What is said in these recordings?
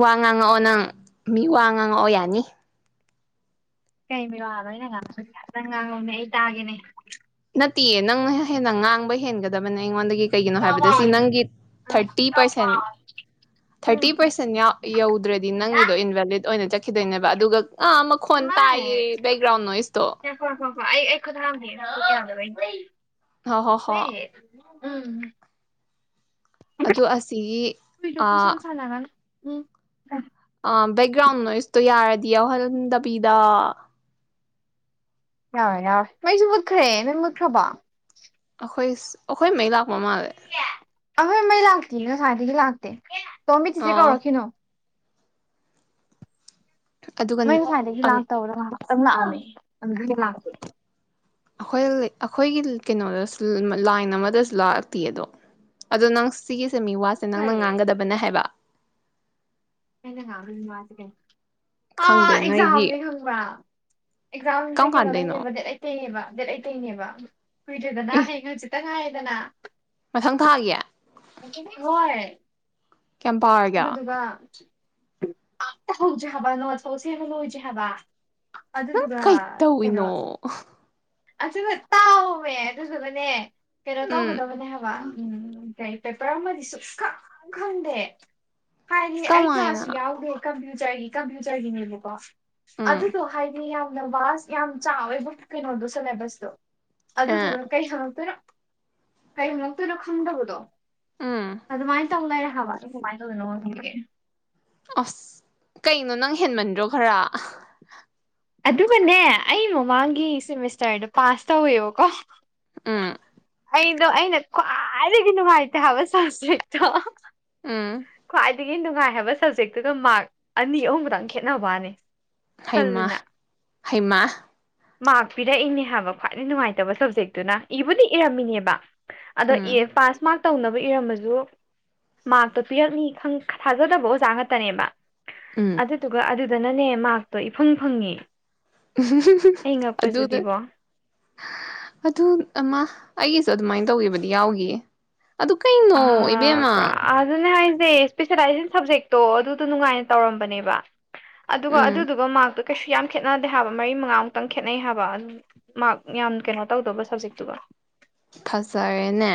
ꯋꯥ ꯉꯥꯡꯉꯛꯑꯣ ꯅꯪ ꯃꯤ ꯋꯥ ꯉꯥꯡꯉꯛꯑꯣ ꯌꯥꯅꯤ ꯀꯩꯒꯤꯅꯣ ꯅꯣꯏꯅꯥ ꯉꯥꯅꯩ ꯅꯪ ꯉꯥꯡꯎꯅꯦ ꯑꯩ ꯇꯥꯒꯦꯅꯦ ꯇꯦ ꯅꯪꯅ ꯍꯦꯟꯅ ꯉꯥꯡꯕ ꯍꯦꯟꯒꯗꯕꯅꯦ ꯑꯩꯉꯣꯟꯗꯒꯤ ꯀꯩꯒꯤꯅꯣ ꯍꯥꯏꯕꯗ ꯁꯤ ꯀꯩꯅꯣ ꯅꯪꯒꯤ thirty percent um thirty um percent ꯌꯧꯗ꯭ꯔꯗꯤ ꯅꯪꯒꯤꯗꯣ ꯏꯟꯚꯦꯂꯤꯠ ꯑꯣꯏꯅ ꯆꯠ ꯆꯈꯤꯗꯣꯏꯅꯦꯕ ꯑꯗꯨꯒ ꯉ ꯃꯈꯣꯟ ꯇꯥꯏꯌꯦ ꯏꯃꯥꯏ ꯕꯦꯛꯒ꯭ꯔꯥꯎꯟ ꯅꯣꯏꯁꯇꯣ ꯉꯥꯏꯈꯣ ꯉꯥꯏꯈꯣ ꯉꯥꯏꯈꯣ ꯑꯩ ꯑꯩ ꯌꯥꯗꯕ [unintelligible] ꯍ ꯍꯣ ꯍꯣ ꯎꯝ ꯑꯣ ꯑꯁꯤꯒꯤ ꯍꯨꯏꯗꯣ ꯑ ꯄꯨꯡꯁꯥꯟ [inaudible] ꯑꯥ ꯕꯦꯛꯒ꯭ꯔꯥꯎꯟ ꯅꯣꯏꯁꯇꯣ ꯌꯥꯔꯗꯤ ꯌꯥꯎꯍꯟꯗꯕꯤꯗ ꯌꯥꯎꯔꯔꯣꯏ ꯌꯥꯎꯔꯔꯣꯏ ꯃꯩꯁꯨ ꯃꯨꯠꯈ꯭ꯔꯦ ꯅꯣꯏꯁꯨ ꯃꯨꯠꯈ꯭ꯔꯕꯣ ꯑꯈꯣꯏꯁ ꯑꯈꯣꯏ ꯃꯩ ꯂꯥꯛ ꯄꯃꯥꯜꯂꯦ ꯑꯦ ꯉꯁꯥꯏꯗꯒꯤ ꯂꯥꯛꯇꯦ꯫ ꯇꯣꯝꯕꯤ ꯆꯤꯆꯦ ꯑꯣ ꯀꯧꯔꯛꯈꯤꯅꯣ꯫ ꯑꯗꯨꯒ ꯃꯩ ꯉꯁꯥꯏꯗꯒꯤ ꯂꯥꯛꯇꯧꯔꯣ ꯉꯍ ꯇꯪ ꯂꯥꯛꯑꯝꯃꯤ ꯑꯗꯨꯗꯒꯤ ꯂꯥꯛꯇꯦ꯫ ꯑꯩꯈꯣꯏ ꯑꯩꯈꯣꯏꯒꯤ ꯀꯩꯅꯣꯗꯁꯨ ꯂꯥꯏꯟ ꯑꯃꯗꯁꯨ ꯂꯥꯛꯇꯤꯌꯦ ꯑꯗꯣ ꯑꯗꯣ ꯅꯪ ꯁꯤꯒꯤ [unintelligible] ꯃꯤ ꯋꯥꯁꯦ ꯅꯪꯅ ꯃꯨꯠꯈꯔꯦ ꯉꯥꯡꯒꯗꯕꯅ ꯍꯥꯏꯕ꯫ ꯑꯩꯅ ꯉꯥꯡꯏ ꯃꯤꯋꯥ ꯁꯤ ꯀꯩ ꯑꯥ ꯈꯪꯗꯦ ꯅꯣꯏꯒꯤ ꯑꯦꯛꯖꯥꯝꯅꯤ ꯈꯪꯕ꯭ꯔꯥ ꯑꯦꯛꯖꯥꯝꯖꯦ ꯀꯔꯝ ꯀꯥꯟꯗꯩꯅꯣ ꯀꯩꯅꯣꯗꯪꯅꯦꯕ ꯗꯦꯠ ꯑꯦꯠꯇꯩꯅꯦꯕ ꯗꯦꯠ ꯑꯦꯠꯇꯩꯅꯦꯕ ꯀꯨꯏꯗ꯭ꯔꯦꯗꯅ ꯑꯦ ꯍꯌꯦꯡ ꯍꯪꯆꯤꯠꯇꯪ ꯉꯥꯏꯔꯦ꯫ ꯗꯅ ꯃꯊꯪ ꯊꯥꯒꯤ ꯍꯣꯏ ꯀꯌꯥꯝ ꯄꯥꯔꯒꯦ ꯑꯗꯨꯗꯨꯒ ꯑꯝꯇ ꯍꯧꯗꯔꯤ ꯍꯥꯏꯕ ꯅꯣꯁꯇ ꯄꯥꯎ ꯁꯦꯝꯕ ꯂꯣꯏꯗꯔꯤ ꯍꯥꯏꯕ ꯅꯪ ꯑꯗꯨꯗꯨꯒ ꯀꯩ ꯀꯩꯅꯣ ꯇꯧꯏꯅꯣ ꯑꯗꯨꯒ ꯇꯥꯑꯣꯃꯦ ꯑꯗꯨꯗꯨꯒꯅꯦ ꯀꯩꯅꯣ ꯎꯝ ꯇꯧꯒꯗꯕꯅꯦ ꯍꯥꯏꯕ ꯩ ꯄꯦꯄꯔ ꯑꯃꯗꯤꯗꯤ ꯁꯨꯁꯈꯪ ꯈꯪꯗꯦ ꯍꯥꯏꯗꯤ ꯑꯩ ꯀ꯭ꯂꯥꯁꯁꯨ ꯀꯃꯥꯏꯅ ꯌꯥꯎꯗꯦ ꯀꯝꯄ꯭ꯌꯨꯔ ꯇꯔꯒꯤ ꯀꯝꯄ꯭ꯌꯨꯇꯔ ꯒꯤꯅꯦꯕꯀꯣ ꯎꯝ ꯑꯗꯨꯗꯣ ꯍꯥꯏꯗꯤ ꯌꯥꯝ ꯚꯥꯁ ꯌꯥꯝ ꯆꯥꯎꯋꯦꯕꯣ ꯀꯩꯅꯣꯗꯣ ꯁꯤꯂꯦꯕꯁꯇꯣ ꯑꯗꯨ ꯑꯦ ꯗꯨꯒ ꯀꯩ ꯍꯪꯉꯛꯛꯇꯣꯏꯅꯣ ꯀꯩ ꯍꯪꯉꯛꯇꯣꯏꯅꯣ ꯈꯪꯗꯕꯗꯣ ꯎꯝ ꯑꯗꯨꯃꯥꯏꯅ ꯇꯧ ꯂꯩꯔꯦ ꯀꯃꯥꯏꯅ ꯇꯧꯗꯅꯣ ꯈꯪꯗꯦ ꯑꯁ ꯀꯩꯅꯣ ꯅꯪ ꯍꯦꯟꯃꯟꯗ꯭ꯔꯣ ꯈꯔ꯫ ꯑꯗꯨꯒꯅꯦ ꯑꯩ ꯃꯃꯥꯡꯒꯤ ꯁꯦꯃꯤꯁꯇꯔꯗꯣ ꯄꯥꯁ ꯇꯧꯋꯦꯕꯀꯣ ꯎꯝ꯫ ꯑꯩꯗꯣ ꯑꯩꯅ ꯈ꯭ꯋꯥꯏꯗꯒꯤ ꯅꯨꯡꯉꯥꯏꯇꯦ ꯍꯥꯏꯕ ꯁꯕꯖꯦꯛꯇꯣ ꯑꯝ ꯈꯋꯥꯏꯗꯒꯤ ꯅꯨꯡꯉꯥꯏ ꯍꯥꯏꯕ ꯁꯕꯖꯦꯛꯇꯨꯗ ꯃꯥꯛ ꯑꯅꯤ ꯑꯍꯨꯝꯗꯪ ꯈꯦꯠꯅꯕꯅꯤ ꯍꯩꯃ ꯍꯩꯃ ꯃꯥꯔꯛ ꯄꯤꯔꯛꯏꯅꯦ ꯍꯥꯏꯕ ꯈ꯭ꯋꯥꯏꯗꯒꯤ ꯅꯨꯡꯉꯥꯏꯇꯕ ꯁꯕꯖꯦꯛꯇꯨꯅ ꯏꯕꯨꯗꯤ ꯏꯔꯝꯃꯤꯅꯦꯕ ꯑꯗꯣ ꯑꯦ ꯎꯝ ꯄꯥꯁ ꯃꯥꯥꯔꯛ ꯇꯧꯅꯕ ꯏꯔꯝꯃꯁꯨ ꯃꯥꯛ ꯇꯣ ꯄꯤꯔꯛꯅꯤ ꯈꯪ ꯊꯥꯖꯗꯕ ꯑꯣꯖꯥ ꯉꯥꯛꯇꯅꯦꯕ ꯎꯝ ꯑꯗꯨꯗꯨꯒ ꯑꯗꯨ ꯐꯖꯅꯅꯦ ꯃꯥꯔꯛꯇꯣ ꯏꯐꯪ ꯐꯪꯉꯤ [unintelligible] ꯑꯗꯨꯅꯦ ꯑꯗꯨ ꯑꯃ ꯑꯩꯒꯤꯁꯨ ꯑꯗꯨꯃꯥꯏꯅ ꯇꯧꯒꯤꯕꯗꯤ ꯌꯥꯎꯒꯤꯌꯦ ꯑꯗꯨ ꯀꯩꯅꯣ ꯏꯕꯦꯝꯃ ꯁꯦ ꯏꯁꯄꯦꯁꯦꯂꯥꯏꯖꯟ ꯁꯕꯖꯦꯛꯇꯣ ꯑꯗꯨꯗꯣ ꯅꯨꯡꯉꯥꯏꯅ ꯇꯧꯔꯝꯕꯅꯦꯕ ꯑꯗꯨꯒ ꯎꯝ ꯑꯗꯨꯗꯨꯒ ꯃꯥꯔꯛꯇꯨ ꯀꯩꯁꯨ ꯌꯥꯝ ꯈꯦꯠꯅꯗꯦ ꯍꯥꯏꯕ ꯃꯔꯤ ꯃꯉꯥꯃꯨꯛꯇꯪ ꯈꯦꯠꯅꯩ ꯍꯥꯏꯕ ꯃꯥꯔꯛ ꯌꯥꯝ ꯀꯩꯅꯣ ꯇꯧꯗꯧꯕ ꯁꯞꯖꯦꯛꯇꯨꯔꯣ ꯐꯖꯔꯦꯅꯦ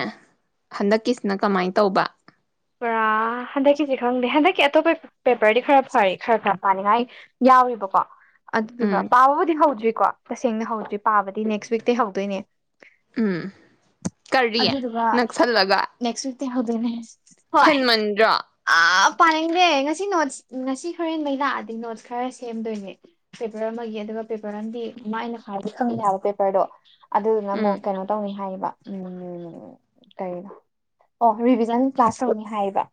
ꯍꯟꯗꯛꯀꯤꯁꯤꯅ ꯀꯃꯥꯏꯅ ꯇꯧꯕ ꯄꯨꯔꯥ ꯍꯟꯗꯛꯀꯤꯁꯤ ꯈꯪꯗꯦ ꯍꯟꯗꯛꯀꯤ ꯑꯇꯣꯞꯄ ꯄꯦꯄꯔꯗꯤ ꯈꯔ ꯐꯔ ꯈꯔ ꯈꯔ ꯄꯥꯅꯤꯡꯉꯥꯏ ꯌꯥꯎꯔꯤꯕꯀꯣ ꯑꯗꯨꯗꯨꯒ ꯎꯝ ꯄꯥꯕꯕꯨꯗꯤ ꯍꯧꯗ꯭ꯔꯤ ꯀꯣ ꯇꯁꯦꯡꯅ ꯍꯧꯗ꯭ꯔꯤ ꯄꯥꯕꯗꯤ ꯅꯦꯛꯁ ꯋꯤꯛꯇꯇꯩ ꯍꯧꯗꯣꯏꯅꯦ ꯎꯝ ꯀꯥꯔꯤ ꯅꯛꯁꯜꯂꯒ ꯎ [unintelligible] ꯍꯣꯏ ꯍꯦꯟꯃꯟꯗ꯭ꯔꯣ ꯑ ꯄꯥꯅꯤꯡꯗꯦ ꯉꯁꯤ ꯅꯣ ꯎ ꯉꯁꯤ ꯈꯔ ꯍꯣꯔꯦꯟꯗꯩ ꯂꯥꯛꯑꯗꯤ ꯅꯣꯠꯁ ꯈꯔ ꯁꯦꯝꯗꯣꯏꯅꯦ ꯄꯦꯄꯔ ꯑꯃꯒꯤ ꯑꯗꯨꯒ ꯄꯦꯄꯔ ꯑꯃꯗꯤ ꯃꯥ ꯑꯩꯅ ꯈ꯭ꯋꯥꯔꯗꯤ ꯈꯪꯡꯅꯦ ꯍꯥꯏꯕ ꯄꯦꯄꯔꯗꯣ ꯑꯗꯨꯗꯨꯅ ꯎꯝ ꯑꯃꯨꯛ ꯀꯩꯅꯣ ꯇꯧꯅꯤ ꯍꯥꯏꯌꯦ ꯀꯩꯅꯣ ꯑꯣꯟꯆꯪꯒꯤ ꯀ꯭ꯂꯁ ꯇꯧꯅꯤ ꯍꯥꯏꯌꯦꯕ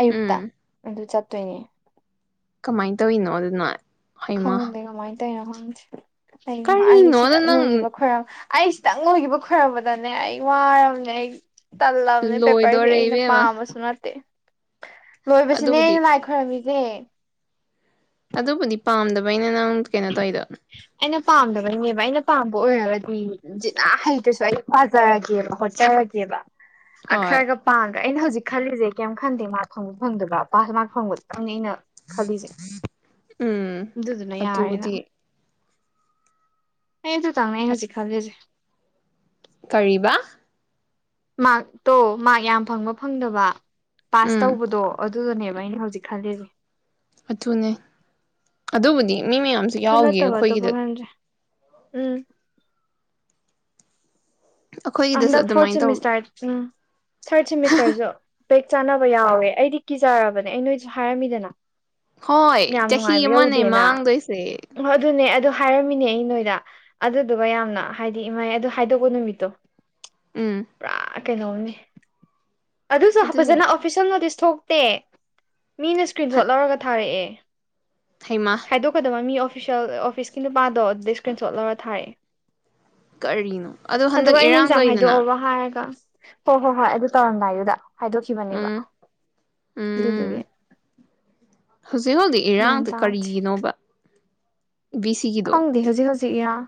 ꯑꯌꯨꯛꯇ ꯎꯝ ꯑꯗꯨ ꯆꯠ ꯇꯣꯏꯅꯦ ꯀꯃꯥꯏ ꯇꯣꯏꯅꯣ ꯑꯗꯨꯅ ꯍꯩꯃ ꯈꯪꯗꯦ ꯀꯃꯥꯏ ꯇꯌꯥ ꯉꯥ ꯀꯔꯤ ꯑꯥꯏꯑꯦ ꯀꯔꯤꯅꯣꯗ ꯁꯤꯗꯛ ꯅꯪ ꯂꯣꯏꯈꯤꯕ ꯈꯣꯏꯔ ꯑꯩ ꯈꯤꯇꯪ ꯂꯣꯏꯈꯤꯕ ꯈꯣꯏꯔꯝꯕꯗꯅꯦ ꯑꯩ ꯋꯥꯔꯕꯅꯦ ꯑꯩ ꯇꯜꯂꯕꯅꯦ ꯄꯦꯄꯔꯁꯦ ꯂꯣꯏꯗꯣꯔꯦ ꯑꯩꯅ ꯏꯕꯦꯝꯃ ꯄꯥꯝꯃꯁꯨ ꯅꯠꯇꯦ ꯂꯣꯏꯕꯁꯤꯅꯦ ꯑꯗꯨꯕꯨꯗꯤ ꯑꯩꯅ ꯂꯥꯏ ꯈꯣꯏꯔꯝꯃꯤ ꯑꯦ ꯑꯗꯨꯕꯨꯗꯤ ꯄꯥꯝꯗꯕ ꯑꯩꯅ ꯅꯪ ꯀꯩꯅꯣ ꯇꯧꯔꯤꯗꯣ ꯑꯩꯅ ꯄꯥꯝꯗꯕꯩꯅꯦꯕ ꯑꯩꯅ ꯄꯥꯝꯕ ꯑꯣꯏꯔꯒꯗꯤ ꯖꯤꯅꯥ ꯍꯩꯇꯁꯨ ꯑꯩ ꯄꯥꯖꯔꯒꯦꯕ ꯍꯣꯠꯆꯔꯒꯦꯕ ꯍꯣꯏ ꯈꯔꯒ ꯄꯥꯡꯒ ꯑꯩꯅ ꯍꯧꯖꯤꯛ ꯈꯜꯂꯤꯁꯦ ꯀꯩꯝ ꯈꯟꯗꯦ ꯃꯥꯔꯛ ꯐꯪꯕ ꯐꯪꯗꯕ ꯄꯥꯁ ꯃꯥꯔꯛ ꯐꯪꯕ ꯗꯨꯇꯪꯅꯦ ꯑꯩꯅ ꯈꯜꯂꯤꯁꯦ ꯎꯝ ꯑꯗꯨꯗꯨꯅ ꯌꯥꯔꯦꯅ ꯑꯗꯨꯗꯤ ꯑꯩ ꯑꯗꯨꯇꯪꯅꯦ ꯑꯩ ꯍꯧꯖꯤꯛ ꯈꯜꯂꯦꯁꯦ ꯀꯔꯤꯕ ꯃꯥꯔꯛꯇꯣ ꯃꯥꯔꯛ ꯌꯥꯝ ꯐꯪꯕ ꯐꯪꯗꯕ ꯄꯥꯁ ꯎꯝ ꯇꯧꯕꯗꯣ ꯑꯗꯨ ꯑꯗꯨꯗꯅꯦꯕ ꯑꯩꯅ ꯍꯧꯖꯤꯛ ꯈꯜꯂꯤꯁꯦ ꯑꯗꯨꯨꯅꯦ ꯑꯗꯨꯕꯨꯗꯤ ꯃꯤ ꯃꯌꯥꯝꯁꯨ ꯑꯗꯨ ꯌꯥꯎꯈꯤ ꯅꯠꯇꯕ ꯑꯇꯣꯞꯄ ꯑꯩꯈꯣꯏꯒꯤꯗ ꯈꯟꯗ꯭ꯔꯦ ꯎꯝ ꯑꯩꯈꯣꯏꯒꯤꯗꯁꯨ ꯍꯟꯗꯛ ꯑꯗꯨꯃꯥꯏꯅ ꯐꯣꯔꯠ ꯇꯧ ꯁꯦꯃꯦꯁꯇꯗꯤ ꯎꯝ ꯊꯔꯠ ꯁꯦꯃꯤꯁꯇꯔꯁꯨ ꯕꯦꯛ ꯆꯥꯅꯕ ꯌꯥꯎꯋꯦ ꯑꯩꯗꯤ ꯀꯤꯖꯔꯕꯅꯦ ꯑꯩ ꯅꯣꯏꯁꯨ ꯍꯥꯏꯔꯝꯃꯤꯗꯅ ꯍꯣꯏ ꯌꯥꯝ ꯆꯍꯤ ꯅꯨꯡꯉꯥꯏꯕ ꯑꯃꯅꯦ ꯌꯧꯗꯦꯅ ꯃꯥꯡꯗꯣꯏꯁꯦ ꯑꯗꯨꯅꯦ ꯑꯗꯨ ꯍꯥꯏꯔꯝꯃꯤꯅꯦ ꯑꯩ ꯅꯣꯏꯗ ꯑꯗꯨꯗꯨꯒ ꯌꯥꯝꯅ ꯍꯥꯏꯗꯤ ꯏꯃꯥꯏ ꯑꯗꯨ ꯍꯥꯏꯗꯣꯛꯀꯣ ꯅꯨꯃꯤꯠꯇꯣ ꯎꯝ ꯄꯨꯔꯥ ꯀꯩꯅꯣꯝꯅꯤ ꯑꯗꯨꯁꯨ ꯑꯗꯨꯅꯦ ꯐꯖꯅ ꯑꯣꯐꯤꯁꯦꯜ ꯅꯣꯇꯤꯁ ꯊꯣꯛꯇꯦ ꯃꯤꯅ ꯁ꯭ꯀ꯭ꯔꯤꯟꯁꯣꯠ ꯂꯧꯔꯒ ꯊꯥꯔꯛꯑꯦ ꯍꯩꯃ ꯍꯥꯏꯥꯗꯣꯛꯀꯗꯕ ꯃꯤ ꯑꯣꯐ ꯏꯁꯄꯤꯤꯁꯦꯜ ꯑꯣꯐꯤꯁꯀꯤ ꯅꯨꯄꯥꯗꯣ ꯑꯗꯨꯗ ꯏꯁꯀ꯭ꯔꯤꯟ ꯁꯣꯠ ꯂꯧꯔꯒ ꯊꯥꯔꯛꯑꯦ ꯀꯔꯤꯅꯣ ꯑꯗꯣ ꯍꯟꯗꯛ ꯑꯗꯨꯒ ꯑꯩꯅ ꯏꯔꯥꯡ ꯑꯦꯛꯖꯥꯝ ꯍꯥꯏꯗꯣꯛꯑꯕꯣ ꯍꯥꯏꯔ ꯍꯣ ꯍꯣ ꯍꯣꯏ ꯑꯗꯨ ꯇꯧꯔꯝꯗꯥꯏꯗ ꯍꯥꯏꯗꯣꯛꯈꯤꯕꯅꯦꯕ ꯎꯝ ꯑꯗꯨꯗꯨꯒꯤ ꯎꯝ ꯍꯧꯖꯤꯛ ꯍꯧꯖꯤꯛ ꯒ꯭ꯌꯥꯟ ꯏꯔꯥꯡꯗ ꯇꯥꯗꯦ ꯀꯔꯤꯒꯤꯅꯣꯕ ꯕꯤꯁꯤꯒꯤꯗꯣ ꯈꯪꯗꯦ ꯍꯧꯖꯤꯛ ꯏꯔꯥꯡ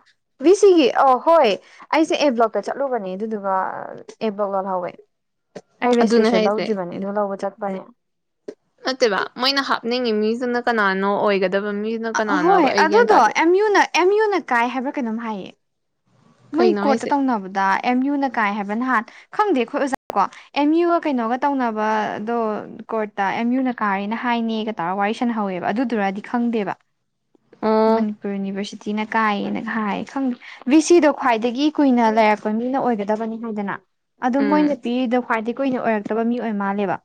ꯕꯤꯁꯤꯒꯤ ꯑꯣ ꯍꯣꯏ ꯑꯩꯁꯦ ꯑꯦ ꯕ꯭ꯂꯣꯛꯇ ꯆꯠꯂꯨꯕꯅꯦ ꯑꯗꯨꯗꯨꯒ ꯑꯦꯕ꯭ꯂꯣꯛ ꯂꯣꯜꯍꯧꯋꯦ ꯑꯩ ꯑꯗꯨꯅꯦ ꯔꯦꯖꯤꯁꯇ꯭ꯔꯦꯁꯟ ꯍꯥꯏꯁꯦ ꯂꯧꯗꯔ꯭ꯤꯕꯅꯦ ꯑꯗꯨ ꯂꯧꯕ ꯆꯠ ꯐ ꯅꯠꯇꯦꯕ ꯃꯣꯏꯅ ꯍꯥꯞꯅꯤꯡꯉꯤ ꯃꯤꯁꯤꯅ ꯀꯅꯥꯅꯣ ꯑꯣꯏꯒꯗ ꯑꯍꯣꯏ ꯑꯗꯨꯗꯣ ꯑꯦꯝ ꯌꯨꯅ ꯑꯦꯝꯌꯨꯅ ꯀꯥꯏ ꯍꯥꯏꯕ꯭ꯔꯥ ꯀꯩꯅꯣꯝ ꯍꯥꯏꯌꯦ ꯃꯣꯏ ꯀꯩꯅꯣ ꯀꯣꯔꯠꯇ ꯍꯥꯏꯁꯦ ꯇꯧꯅꯕꯗ ꯑꯦꯝ ꯌꯨꯅ ꯀꯥꯏ ꯍꯥꯏꯕ ꯅꯍꯥꯟ ꯈꯪꯗꯦ ꯑꯩꯈꯣꯏ ꯑꯣꯖꯥ ꯀꯣ ꯑꯦꯝ ꯌꯨꯒ ꯀꯩꯅꯣꯒ ꯇꯧꯅꯕꯗꯣ ꯀꯣꯔꯠꯇ ꯑꯦꯝ ꯌꯨꯅ ꯀꯥꯔꯦꯅ ꯍꯥꯏꯅꯦꯒ ꯇꯧꯔꯒ ꯋꯥꯔꯤ ꯁꯥꯟꯅꯍꯧꯋꯦꯕ ꯑꯗꯨꯗꯨꯔꯗꯤ ꯈꯪꯗꯦꯕ ꯑꯣ ꯃꯅꯤꯄꯨꯔ ꯌꯨꯅꯤꯚꯔꯁꯤꯇꯤꯅ ꯀꯥꯏꯌꯦꯅ ꯍꯥꯏ ꯈꯪꯗꯦ ꯕꯤ ꯁꯤ ꯗꯣ ꯈ꯭ꯋꯥꯏꯗꯒꯤ ꯀꯨꯏꯅ ꯂꯩꯔꯛꯄ ꯃꯤꯅ ꯑꯣꯏꯒꯗꯕꯅꯤ ꯍꯥꯏꯗꯅ ꯑꯗꯨꯝ ꯃꯣꯏꯅ ꯎꯝ ꯄꯤꯔꯤꯗꯨ ꯈ꯭ꯋꯥꯏꯗꯒꯤ ꯀꯨꯏꯅ ꯑꯣꯏꯔꯛꯇꯕ ꯃꯤ ꯑꯣꯏ ꯃꯥꯜꯂꯦꯕ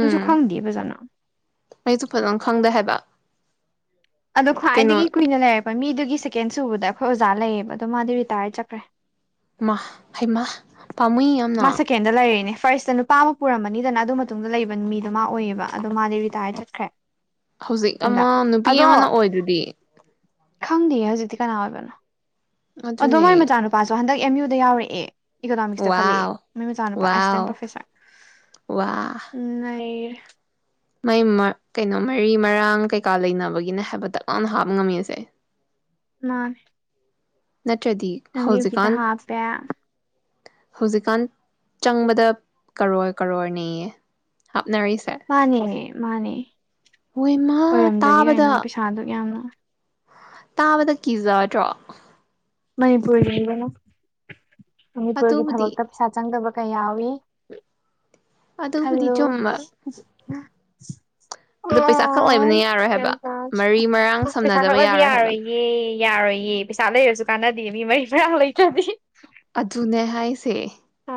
ꯑꯩꯁꯨ ꯈꯪꯗꯦ ꯐꯖꯅ ꯑꯩꯁꯨ ꯐꯖꯅ ꯈꯪꯗꯦ ꯍꯥꯏꯕ ꯑꯗꯣ ꯀꯩꯅꯣ ꯈ꯭ꯋꯥꯏꯗꯒꯤ ꯀꯨꯏꯅ ꯂꯩꯔ ꯍꯣꯏ ꯃꯤꯗꯨꯒꯤ ꯁꯦꯀꯦꯟ ꯁꯨꯕꯗ ꯑꯩꯈꯣꯏ ꯑꯣꯖꯥ ꯂꯩꯌꯦꯕ ꯑꯗꯣ ꯃꯥꯗꯤ ꯔꯤꯇꯥꯌꯔ ꯆꯠꯈ꯭ꯔꯦ ꯃꯥ ꯍꯩꯃ ꯄꯥꯝꯃꯨꯏ ꯌꯥꯝꯅ ꯃꯥ ꯁꯦꯀꯦꯟꯗ ꯂꯩꯔꯤꯅꯤ ꯐꯥꯔꯁꯇ ꯅꯨꯄꯥ ꯑꯃ ꯄꯨꯔꯝꯃꯅꯤꯗꯅ ꯑꯗꯨ ꯃꯇꯨꯡꯗ ꯂꯩꯕ ꯃꯤꯗꯨ ꯃꯥ ꯑꯣꯏꯌꯦꯕ ꯑꯗꯣ ꯃꯥꯗꯤ ꯔꯤꯇꯥꯌꯔ ꯆꯠꯈ꯭ꯔꯦ ꯍꯧꯖꯤꯛ ꯑꯃ ꯍꯟꯗꯛ ꯅꯨꯄꯤ ꯑꯃꯅ ꯑꯣꯏꯗꯨꯗꯤ ꯈꯪꯗꯤꯌꯦ ꯍꯧꯖꯤꯛꯇꯤ ꯀꯥꯟꯅ ꯑꯣꯏꯕꯅꯣ ꯑꯗꯣ ꯑꯗꯨꯅꯦ ꯃꯥꯏ ꯃꯆꯥꯅꯨꯄꯥꯥꯁꯨ ꯍꯟꯗꯛ ꯑꯦꯝ ꯌꯨꯗ ꯌꯥꯎꯔꯛꯑꯦ ꯏꯀꯣꯅꯣꯃꯤꯛꯁꯇ ꯈꯜꯂꯛꯑꯦ ꯋꯥꯎ ꯃꯣꯏ ꯃꯆꯥꯅꯨꯄꯥ ꯋꯥꯎ ꯑꯦꯁꯤꯁꯇꯦꯟ ꯄ꯭ꯔꯣꯐꯦꯁꯔ ꯎ ꯅꯩꯔꯦ ꯃꯩ [unintelligible] ꯃꯔꯤ ꯃꯔꯥꯡ ꯀꯩꯀꯥ ꯂꯩꯅꯕꯒꯤꯅꯦ ꯍꯥꯏꯕ ꯇꯥꯛ ꯂꯥꯎ ꯍꯥꯞꯕ ꯉꯝꯃꯤꯁꯦ ꯃꯅꯤ ꯅꯠꯇ꯭ꯔꯗꯤ ꯍꯧꯖꯤꯛꯀꯥꯟ ꯍꯥꯞꯄꯦ ꯍꯧꯖꯤꯛꯀꯥꯟ ꯆꯪꯕꯗ ꯀꯔꯣꯔ ꯀꯔꯣꯔ ꯅꯌꯦ ꯃꯥꯅꯦꯃꯦ ꯃꯥꯅꯦ ꯍꯣꯏ ꯏꯃ ꯑꯣꯏꯔꯝꯗ꯭ꯔꯗꯤ ꯇꯥꯕꯗ ꯀꯩꯅꯣ ꯄꯩꯁꯥꯗꯨꯛ ꯌꯥꯝꯅ ꯇꯥꯕꯗ ꯀꯤꯖꯗ꯭ꯔꯣ ꯃꯅꯤ ꯄꯨꯜꯒꯤꯅꯤꯕꯣ [unintelligible] ꯃꯅꯤꯄꯨꯔꯒꯤ ꯑꯗꯨꯕꯨꯗꯤ ꯊꯕꯛꯇ ꯄꯩꯁꯥ ꯆꯪꯗꯕ ꯀꯩꯌꯥ ꯋꯤ ꯑꯗꯨꯕꯨꯗꯤ ꯍꯂꯣ ꯑ ꯆꯨꯝꯕ [unintelligible] ꯑꯗꯨ ꯄꯩꯁꯥ ꯈꯛ ꯑꯣ ꯂꯩꯕꯅ ꯌꯥꯔꯣꯏ ꯀꯌꯥꯝ ꯍꯥꯏꯕ ꯇꯥꯒꯦ ꯃꯔꯤ ꯃꯔꯥꯡ ꯄꯩꯁꯥ ꯁꯝꯅꯗꯕ ꯈꯛꯄꯗꯤ ꯌꯥꯔꯣꯏ ꯍꯥꯏꯕ ꯌꯥꯔꯣꯏꯌꯦ ꯌꯥꯔꯣꯏꯌꯦ ꯄꯩꯁꯥ ꯂꯩꯔꯁꯨ ꯃꯤ ꯃꯔꯤ [unintelligible] ꯃꯔꯥꯡ ꯂꯩ ꯇ꯭ꯔꯥꯗꯤ ꯑꯗꯨꯅꯦ ꯍꯥꯏꯁꯦ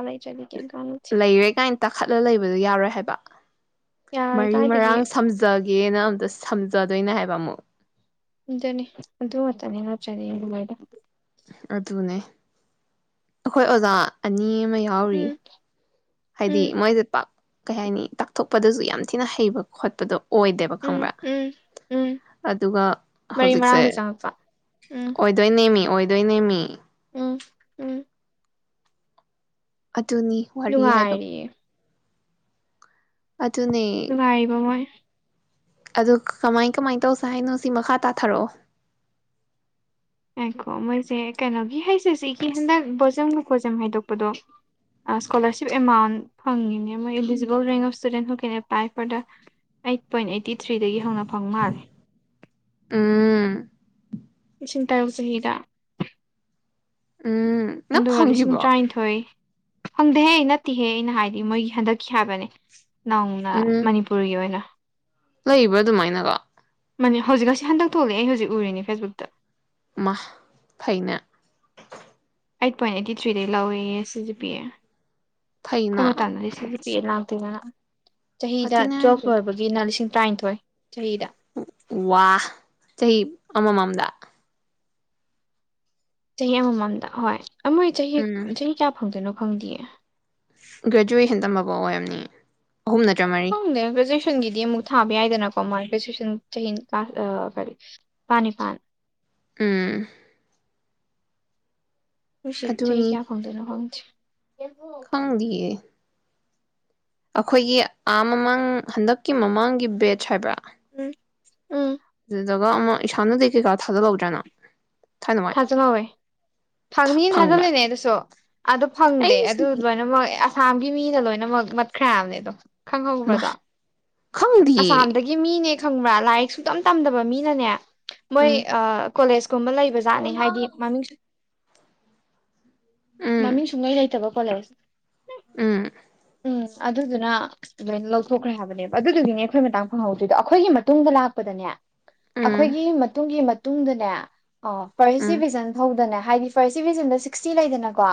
ꯂꯩꯇ꯭ꯔꯗꯤ ꯀꯩꯝ ꯀꯥꯟꯅꯗꯦ ꯂꯩꯔꯦ ꯀꯥꯏꯟ ꯇꯥꯈꯠꯂ ꯂꯩꯕꯗꯣ ꯌꯥꯔꯣꯏ ꯍꯥꯏꯕ [unintelligible] ꯌꯥꯔꯣꯏ ꯃꯔꯤ ꯀꯥꯏꯗꯒꯤ ꯃꯔꯥꯡ ꯁꯝꯖꯒꯦꯅ ꯑꯝꯇ ꯁꯝꯖꯗꯣꯏꯅꯦ ꯍꯥꯏꯕ ꯑꯃꯨꯛ ꯑꯗꯨꯅꯤ ꯑꯗꯨ ꯈꯛꯇꯅꯦ ꯅꯇꯔꯥꯅꯦ [unintelligible] ꯑꯗꯨꯅꯦ ꯑꯩꯈꯣꯏ ꯑꯣꯖꯥ ꯑꯅꯤ ꯑꯃꯥ ꯌꯥꯎꯔꯤꯌꯦ ꯎꯝ ꯍꯥꯏꯗꯤ ꯎꯝ ꯃꯣꯏ [unintelligible] ꯄꯥꯛ ꯀꯩ ꯍꯥꯏꯅꯤ ꯇꯥꯛꯊꯣꯛꯄꯗꯁꯨ ꯌꯥꯝ ꯊꯤꯅ ꯍꯩꯕ ꯈꯣꯠꯄꯗꯣ ꯑꯣꯏꯗꯦꯕ ꯎꯝ ꯈꯪꯕ꯭ꯔꯥ ꯎꯝ ꯎꯝ ꯑꯗꯨꯒ ꯃꯔꯤ ꯍꯧꯖꯤꯛꯁꯦ ꯃꯔꯥꯡꯗ ꯆꯪꯉꯛꯄ ꯎꯝ ꯑꯣꯏꯗꯣꯏ ꯅꯦꯝꯃꯤ ꯑꯣꯏꯗꯣꯏꯅꯦꯃꯤ ꯎ ꯎꯝ ꯑꯗꯨꯅꯤ ꯋꯥꯔꯤ ꯍꯥꯏꯕꯕ ꯅꯨꯡꯉꯥꯏꯔꯤꯌꯦ ꯅꯨꯡꯉꯥꯏꯔꯤꯕ ꯃꯣꯏ ꯑꯗꯨ ꯀꯃꯥꯏ ꯀꯃꯥꯏ ꯇꯧꯁꯦ ꯍꯥꯏꯅꯣ ꯁꯤ ꯃꯈꯥ ꯇꯥꯊꯔꯛꯑꯣ ꯉꯥꯏꯈꯣ ꯃꯣꯏꯁꯦ ꯀꯩꯅꯣꯒꯤ ꯍꯩꯁ ꯑꯦꯁ ꯁꯤꯒꯤ ꯍꯟꯗꯛ ꯕꯣꯖꯝꯒ ꯀꯣꯁꯦꯝꯒ ꯍꯥꯏꯗꯣꯛꯄꯗꯣ ꯑ ꯏꯁꯀꯣꯂꯔꯁꯤꯞ ꯑꯦꯃꯥꯎꯟ ꯐꯪꯏꯅꯦ ꯃꯣꯏ eligible range of student [unintelligible] eight point eighty ꯊꯔ꯭ꯤꯗꯒꯤ ꯍꯧꯅ ꯐꯪꯃꯥꯜꯂꯦ ꯎꯝ ꯏꯁꯤꯡ ꯇꯔꯨꯕ ꯆꯍꯤꯗ ꯎꯝ ꯅꯪ ꯑꯗꯨꯒ ꯂꯤꯁꯤꯡ ꯐꯪꯈꯤꯕ꯭ꯔꯣ ꯇꯔ꯭ꯥꯏꯟꯊꯣꯏ ꯐꯪꯗꯦꯍꯦ ꯅꯠꯇꯦꯍꯦ ꯑꯩꯅ ꯍꯥꯏꯗꯤ ꯃꯣꯏꯒꯤ ꯍꯟꯗꯛꯀꯤ ꯍꯥꯏꯕꯅꯦ ꯅꯧꯅ ꯃꯅꯤꯄꯨꯔꯒꯤ ꯑꯣꯏꯅ ꯂꯩꯕꯔꯣ ꯑꯗꯨꯃꯥꯏꯅꯒꯥ ꯃꯅꯦ ꯍꯧꯖꯤꯛ ꯉꯁꯤ ꯍꯟꯗꯛ ꯊꯣꯛꯂꯛꯑꯦ ꯑꯩ ꯍꯧꯖꯤꯛ ꯎꯔꯤꯅꯦ ꯐꯦꯁꯕꯨꯛꯇ ꯃꯥꯥꯥ ꯐꯩꯅꯦ ꯑꯥꯏꯠ ꯄꯣꯏꯟ ꯑꯥꯏꯠꯇꯤ ꯊ꯭ꯔꯤꯗꯩ ꯂꯧꯋꯦꯌꯦ ꯁꯤꯁꯤꯄꯤꯌꯦ ꯐꯩꯅ ꯈꯣꯏ ꯃꯇꯝꯇꯗꯤ ꯁꯤꯖꯤ [unintelligible] ꯆꯍꯤꯗ ꯑꯗꯨꯅꯦ ꯇꯨꯋꯦꯜꯐ ꯍꯥꯏꯁꯦ ꯂꯣꯏꯕꯒꯤꯅꯥ ꯂꯤꯁꯤꯡ ꯇꯔ꯭ꯥꯏꯟꯊꯣꯏ ꯆꯍꯤꯗꯥ ꯋꯥ ꯆꯍꯤ ꯑꯃ ꯃꯝꯗ ꯆꯍꯤ ꯑꯃꯃꯝꯗ ꯍꯣꯏ [unintelligible] ꯃꯣꯏ ꯆꯍꯤ ꯎꯝ ꯆꯍꯤ ꯀꯌꯥ ꯐꯪꯗꯣꯏꯅꯣ ꯐꯪꯗꯤꯌꯦ ꯭ꯒꯔꯦꯖꯨꯌꯦꯁꯟ ꯇꯝꯃꯛ [inaudible] ꯍꯣꯏꯃꯤ ꯑꯍꯨꯝ ꯅꯠꯇ꯭ꯔ ꯃꯔꯤ ꯃꯊꯪ ꯒꯤꯗꯤ ꯑꯃꯨꯛ ꯊꯥꯕ ꯌꯥꯏꯗꯅꯀꯣ ꯃꯔꯀꯤꯡ ꯁꯨꯏꯁꯇꯤꯑꯣꯟ ꯆꯍꯤ ꯅꯤꯄꯥꯜ ꯀꯔꯤ ꯇꯥ ꯅꯤꯄꯥꯜ ꯅꯤꯄꯥꯜ ꯑꯝ ꯑꯩꯁꯦꯝ ꯆꯍꯤ ꯀꯌꯥ ꯐꯪꯗꯣꯏꯅꯣ ꯈꯡꯗꯦ ꯈꯪꯗꯌꯦ ꯑꯩꯈꯣꯏꯒꯤ ꯑꯥ ꯃꯃꯥꯡ ꯍꯟꯗꯛꯀꯤ ꯃꯃꯥꯡꯒꯤ ꯕꯥꯠꯆ ꯍꯥꯏꯕ꯭ꯔꯥ ꯎꯝ ꯎ ꯑꯗꯨꯗꯨꯒ ꯑꯃꯨꯛ ꯎꯁꯟ-ꯎꯗꯥꯏ ꯀꯩꯀꯥ ꯊꯖꯟꯍꯥꯎꯗꯔ ꯅꯪ ꯊꯥꯖꯜꯍꯧꯋꯦ ꯐꯪꯅꯤꯅ ꯐꯪꯕ꯭ꯔꯥ ꯊꯥꯖꯂꯅꯦ ꯑꯗꯨꯁꯨ ꯑꯥꯗꯣ ꯐꯪꯗꯦ ꯑꯗꯨ ꯑꯩꯁꯨꯅꯦ ꯂꯣꯏꯅꯃꯛ ꯑꯁ ꯊꯥꯃꯒꯤ ꯃꯤꯅ ꯂꯣꯏꯅꯃꯛ ꯃꯨꯠꯈꯔꯦ ꯍꯥꯏꯕꯅꯦ ꯑꯗꯣ ꯃꯥ ꯈꯪꯍꯧꯕ꯭ꯔꯗ ꯈꯪꯗꯤꯌꯦ ꯑꯁꯥꯝꯗꯒꯤ ꯃꯤꯅꯦ ꯈꯪꯕ꯭ꯔꯥ ꯂꯥꯏꯔꯤꯛ ꯁꯨꯛꯇꯝ ꯇꯝꯗꯕ ꯃꯤꯅꯅꯦ ꯃꯣꯏ ꯎꯝ ꯑ ꯀꯤꯜꯂꯦꯁ [unintelligible] ꯖꯥꯠꯅꯤ ꯍꯥꯏꯗꯤ ꯃꯃꯤꯡꯁ ꯃꯃꯤꯡ ꯁꯨꯡꯂꯩ ꯂꯩꯇꯕ ꯀꯤꯜꯂꯦꯒ ꯑꯝ ꯑꯝ ꯑꯗꯨꯗꯨꯅ ꯂꯥꯏꯅ ꯂꯧꯊꯣꯛꯈ꯭ꯔꯦ ꯍꯥꯏꯕꯅꯦꯕ ꯑꯗꯨꯗꯨꯒꯤꯅꯦ ꯑꯩꯈꯣꯏ ꯃꯇꯥꯡ ꯐꯪꯍꯧꯗꯣꯏꯗꯣ ꯑꯩꯈꯣꯏꯒꯤ ꯃꯇꯨꯡꯗ ꯂꯥꯛꯄꯗꯅꯦ ꯎꯝ ꯑꯩꯈꯣꯏꯒꯤ ꯃꯇꯨꯡꯒꯤ ꯃꯠ ꯇꯨꯡꯗꯅꯦ ꯑꯣ ꯐꯥꯔꯁ ꯎꯝ ꯗꯤꯕꯤꯖꯟ ꯐꯧꯗꯅꯦ ꯍꯥꯏꯗꯤ ꯐꯥꯔꯁ ꯗꯤꯕꯤꯖꯟꯗ ꯁꯤꯛꯇꯤ ꯂꯩꯗꯅꯀꯣ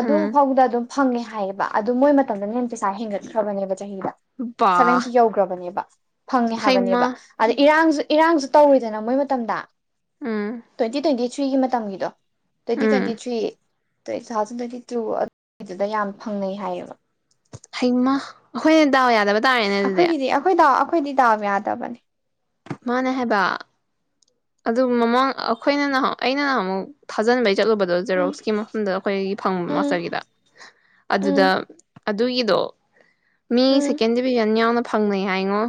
ꯑꯗꯨ ꯎꯝ ꯐꯥꯎꯕꯗ ꯑꯗꯨꯝ ꯐꯪꯉꯦ ꯍꯥꯏꯌꯦꯕ ꯑꯗꯨ ꯃꯣꯏ ꯃꯇꯝꯗꯅ ꯍꯦꯟꯅ ꯄꯩꯁꯥ ꯍꯦꯟꯒꯠꯈ꯭ꯔꯕꯅꯦꯕ ꯆꯍꯤꯗ ꯕꯥ ꯁꯚꯦꯟꯇꯤ ꯌꯧꯈ꯭ꯔꯕꯅꯦꯕ ꯐꯪꯉꯦ ꯍꯩꯃꯥ ꯍꯥꯏꯕꯅꯦꯕ ꯑꯗ ꯏꯔꯥꯡꯁꯨ ꯏꯔꯥꯡꯁꯨ ꯇꯧꯔꯤꯗꯅ ꯃꯣꯏ ꯃꯇꯝꯗ ꯎꯝ ꯇ꯭ꯋꯦꯟꯇꯤ- ꯇ꯭ꯋꯦꯟꯇꯤ ꯊ꯭ꯔꯤꯒꯤ ꯃꯇꯝꯒꯤꯗꯣ twenty um twenty three [unintelligible] two ꯑꯗꯨꯏꯗꯨꯗ ꯌꯥꯝ ꯐꯪꯅꯩ ꯍꯥꯏꯌꯦꯕ ꯍꯩꯃ ꯑꯩꯈꯣꯏꯅ ꯗꯥꯎ ꯌꯥꯗꯕ ꯇꯥꯔꯦꯅꯦ ꯑꯗꯨꯗꯤ ꯑꯩꯈꯣꯏꯒꯤꯗꯤ ꯑꯩꯈꯣꯏꯗꯥꯎ ꯑꯩꯈꯣꯏꯗꯤ ꯗꯥꯎ ꯌꯥꯗꯕꯅꯤ ꯃꯥꯅꯦ ꯍꯥꯏꯕ ꯑꯗꯨ ꯃꯃꯥꯡ ꯑꯩꯈꯣꯏꯅ ꯅꯍꯥ ꯑꯩꯅ ꯅꯍꯥꯃꯨꯛ ꯊꯥꯖꯤꯟꯕꯩ ꯆꯠꯂꯨꯕꯗꯣ ꯎꯝ ꯖꯦꯔꯣꯛꯁꯀꯤ ꯃꯐꯝꯗ ꯑꯩꯈꯣꯏ ꯐꯪ ꯎꯝ ꯃꯥꯁꯇꯔꯒꯤꯗ ꯑꯗꯨꯗ ꯎꯝ ꯑꯗꯨꯒꯤꯗꯣ ꯃꯤ ꯎꯝ ꯁꯦꯀꯦꯟ ꯗꯤꯚꯤꯖꯟ ꯌꯥꯎꯅ ꯐꯪꯅꯩ ꯍꯥꯏꯉꯣ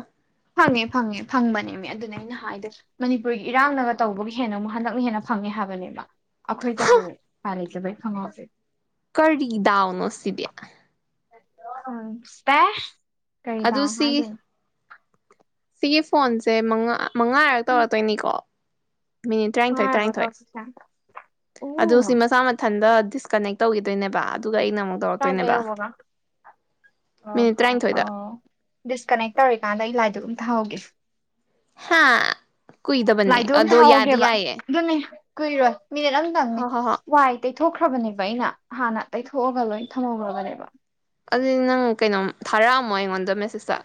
ꯐꯪꯉꯦ ꯐꯪꯉꯦ ꯐꯪꯕꯅꯦꯃꯤ ꯑꯗꯨꯅꯦ ꯑꯩꯅ ꯍꯥꯏꯗꯣ ꯃꯅꯤꯄꯨꯔꯒꯤ ꯏꯔꯥꯡꯅꯒ ꯇꯧꯕꯒꯤ ꯍꯦꯟꯅ ꯑꯃꯨꯛ ꯍꯟꯗꯛꯅ ꯍꯦꯟꯅ ꯐꯪꯉꯦ ꯍꯥꯏꯕꯅꯦꯕ ꯑꯩꯈꯣꯏꯗꯕꯨ ꯄꯥꯏꯂꯩ [unintelligible] ꯀꯔꯤ ꯗꯥꯎꯅꯣ ꯁꯤꯗꯤ [unintelligible] ꯎꯝ ꯏꯁꯄꯦꯁ ꯑꯗꯨ ꯀꯩꯗꯥꯎ ꯁꯤ ꯍꯥꯏꯗꯣꯏꯅꯣ ꯁꯤꯒꯤ ꯐꯣꯟꯁꯦ ꯃꯉꯥ ꯃꯉꯥꯔꯛ ꯎꯝ ꯇꯧꯔꯛꯇꯣꯏꯅꯤꯀꯣ ꯃꯤꯅꯤꯠ ꯇꯔꯥꯅꯤꯊꯣꯏ ꯉꯥꯏꯈꯣ ꯇꯔꯥꯅꯤꯊꯣꯏ ꯇꯧꯔꯛꯁꯤꯁꯦ ꯑꯗꯨ ꯎꯝ ꯁꯤ ꯃꯁꯥ ꯃꯊꯟꯗ ꯗꯤꯁꯀꯅꯦꯛ ꯇꯧꯒꯤꯗꯣꯏꯅꯦꯕ ꯑꯗꯨ ꯀꯥꯏꯗ ꯌꯧꯕꯒ ꯑꯣ ꯃꯤꯅꯤꯠ ꯇꯔꯥꯅꯤꯊꯣꯏꯗ ꯑꯣ ꯗꯤꯁꯀꯅꯦꯛ ꯇꯧꯔꯤꯀꯥꯟꯗ ꯑꯩ ꯂꯥꯏꯗꯨꯛ ꯊꯥꯎꯒꯦ ꯍꯥ ꯀꯨꯏꯗꯕꯅꯦ ꯂꯥꯏꯗꯨꯛ ꯑꯝ ꯑꯗꯣ ꯌꯥꯗꯤ ꯊꯥꯍꯧꯒꯦꯕ ꯌꯥꯏꯌꯦ ꯑꯗꯨꯅꯤ ꯀꯨꯏꯔꯣꯏ ꯃꯤꯅꯤꯠ ꯑꯝꯇꯪꯅꯤ ꯍꯣꯏ ꯍꯣꯏ ꯍꯣꯏ ꯋꯥꯏꯇꯩ ꯊꯣꯛꯈ꯭ꯔꯕꯅꯦꯕ ꯑꯩꯅ ꯍꯥꯟꯅ ꯇꯩꯊꯣꯛꯑꯒ ꯂꯣꯏ ꯊꯝꯍꯧꯔꯕꯅꯦꯕ ꯑꯗꯨꯗꯤ ꯅꯪ ꯀꯩꯅꯣꯝ ꯊꯥꯔꯛꯑꯝꯃꯣ ꯑꯩꯉꯣꯟꯗ ꯃꯦꯁꯦꯖꯇ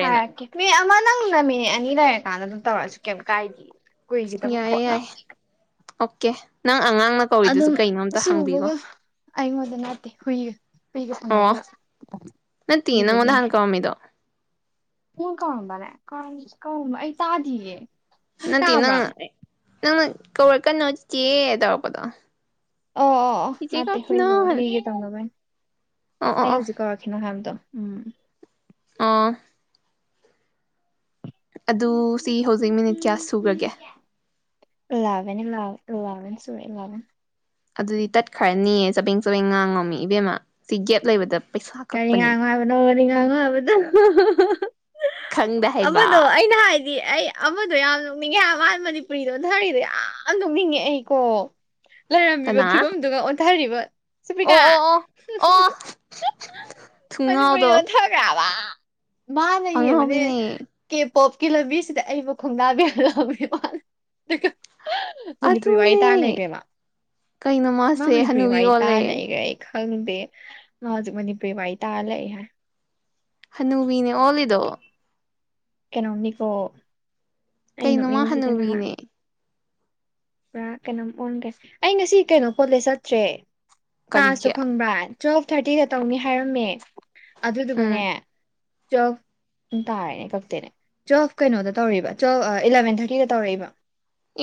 ꯍꯥꯏꯔꯛꯀꯦ ꯃꯤ ꯑꯃ ꯅꯪꯅ ꯃꯤ ꯑꯅꯤ ꯂꯩꯔꯀꯥꯟꯗ ꯑꯗꯨꯝ ꯇꯧꯔꯁꯨ ꯀꯦꯝ ꯀꯥꯏꯗꯦ ꯀꯨꯏꯒꯤꯗꯕ ꯌꯥꯏꯌꯦ ꯄꯣꯠꯅ ꯌꯥꯏ ꯑꯣꯀꯦ ꯅꯪ ꯑꯉꯥꯡꯅ ꯀꯧꯔꯤꯗꯨꯁꯨ ꯑꯗꯨꯝ ꯀꯩꯅꯣ ꯑꯝꯇ ꯍꯥꯡꯕꯤꯒꯣ ꯁꯨꯕꯒ ꯑꯩꯉꯣꯟꯗ ꯅꯠꯇꯦ ꯍꯨꯏꯒ ꯍꯨꯏꯒ ꯑꯣ ꯁꯥꯟꯅꯔꯤꯕ ꯅꯠꯇꯦ ꯅꯪꯉꯣꯟꯗ ꯍꯥꯟꯅ ꯀꯧꯔꯝꯃꯤꯗꯣ ꯑꯩꯉꯣꯟ ꯀꯧꯔꯝꯕ꯭ꯔꯅꯦ ꯀꯧꯔꯝ ꯀꯧꯔꯝꯕ ꯑꯩ ꯇꯥꯗꯤꯌꯦ ꯅꯠꯇꯦ ꯅꯪ ꯅꯪꯅ ꯀꯧꯔꯛꯀꯅꯣ ꯆꯤꯆꯦ ꯇꯧꯔꯛꯄꯗꯣ ꯑꯣ ꯑꯣ ꯑꯣ ꯆꯤꯆꯦ ꯅꯠꯇꯦ ꯍꯨꯏ ꯀꯧꯔꯛꯈꯤꯅꯣ [unintelligible] ꯇꯧꯅꯕꯩꯅꯤ ꯑꯣ ꯑꯣ ꯑꯩ ꯑꯣ ꯍꯧꯖꯤꯛ ꯀꯧꯔꯛꯈꯤꯅꯣ ꯍꯥꯏꯕꯗꯣ ꯎꯝ ꯑꯣ ꯑꯗꯨ ꯁꯤ ꯍꯧꯖꯤꯛ ꯃꯤꯅꯤꯠ ꯀꯌꯥ ꯁꯨꯒ꯭ꯔꯒꯦ ꯏꯂꯥꯕꯦꯟ ꯏꯂꯥꯕꯦꯟ ꯏꯂꯥꯕꯦꯟ ꯁꯨꯔꯦ ꯏꯂꯥꯕꯦꯟ ꯑꯗꯨꯗꯤ ꯇꯠꯈ꯭ꯔ ꯅꯤꯌꯦ ꯆꯕꯦꯡ ꯆꯕꯦꯡ ꯉꯥꯡꯉꯣꯃꯤ ꯏꯕꯦꯝꯃ ꯁꯤ ꯒꯦꯞ ꯂꯩꯕꯗ ꯄꯩꯁꯥ ꯀꯔꯤ ꯀꯛꯄꯅꯤ ꯉꯥꯡꯅꯣ ꯍꯥꯏꯕꯅꯣ ꯔꯤ ꯉꯥꯡꯉꯣ ꯍꯥꯏꯕꯗꯣ ꯈꯪꯗꯦ ꯑꯃꯗꯣ ꯍꯥꯏꯕ ꯑꯩꯅ ꯍꯥꯏ ꯗꯤ ꯑꯩ ꯑꯃꯗꯣ ꯌꯥꯝ ꯅꯣꯛꯅꯤꯡꯉꯦ ꯃꯥ ꯃꯅꯤꯄꯨꯔꯤ ꯂꯣꯟꯙꯔꯤꯗꯣ ꯌꯥꯝ ꯅꯣꯛꯅꯤꯡꯉꯦ ꯑꯩꯀꯣ ꯂꯩꯔꯝꯃꯤꯕ ꯀꯅꯥ ꯐꯤꯕꯝꯗꯨꯒ ꯏꯀꯥꯢꯔꯤꯕ ꯑꯣ ꯁꯨꯔꯄꯤꯀꯥ ꯑꯣ ꯑꯣ ꯑꯣ ꯃꯅꯤ ꯊꯨꯡꯉꯥꯎꯗꯣ [inaudible] ꯃꯅꯥ ꯅꯌꯦꯡꯉꯨꯅꯦ ꯑꯉꯥꯎꯕꯤꯅꯦ ꯄꯣꯞꯀꯤ ꯂꯝꯕꯤꯁꯤꯗ ꯑꯩꯕꯨ ꯈꯣꯡꯗꯥꯕꯤꯍꯂꯑꯕꯅꯤ ꯃꯥꯅ ꯑꯗꯨꯒ ꯃꯅꯤꯄꯨꯔꯤ ꯋꯥꯔꯤ ꯇꯥꯔ ꯑꯗꯨꯅꯦ ꯂꯩꯈ꯭ꯔꯦ ꯃꯥ ꯀꯩꯅꯣ ꯃꯥ ꯃꯥꯁꯦ ꯃꯅꯤꯄꯨꯔꯤ ꯍꯅꯨꯕꯤ ꯋꯥꯔꯤ ꯑꯣꯜꯂꯦ ꯇꯥꯔ ꯂꯩꯈ꯭ꯔꯦ ꯑꯩ ꯈꯪꯗꯦ ꯃꯥ ꯍꯧꯖꯤꯛ ꯃꯅꯤꯄꯨꯔꯤ ꯋꯥꯏ ꯇꯥ ꯂꯩ ꯍꯥꯏ ꯍꯅꯨꯕꯤꯅꯦ ꯑꯣꯜꯂꯤꯗꯣ ꯀꯩꯅꯣꯝ ꯅꯤꯀꯣ ꯀꯩꯅꯣ ꯃꯥ ꯍꯅꯨꯕꯤꯅꯦ ꯄꯨꯔꯥ ꯀꯩꯅꯣꯝ ꯑꯣꯟꯒꯔꯦ ꯑꯩ ꯉꯁꯤ ꯀꯣꯂꯦꯖ ꯆꯠꯇ꯭ꯔꯦ ꯀꯂ꯭ꯥꯁꯇꯣ ꯀꯔꯤꯒꯤ ꯈꯪꯕ꯭ꯔ ꯇꯨꯋꯦꯜꯐ ꯊꯥꯔꯇꯤꯗ ꯇꯧꯅꯤ ꯍꯥꯏꯔꯝꯃꯦ ꯎꯝ ꯑꯗꯨꯗꯨꯒꯅꯦ ꯇ꯭ꯋꯦꯜꯐ ꯇꯥꯔꯦꯅꯦ ꯀꯛꯇꯦꯅꯦ ꯇ꯭ꯋꯦꯜꯐ ꯀꯩꯅꯣꯗ ꯇꯧꯔꯤꯕ ꯇ꯭ꯋꯦꯜꯞ ꯏꯂꯚꯦꯟ ꯊꯥꯔꯇꯤꯗ ꯇꯧꯔꯛꯏꯕ